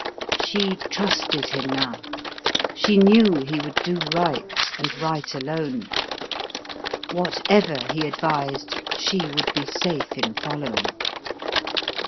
She trusted him now; she knew he would do right, and right alone: whatever he advised, she would be safe in following.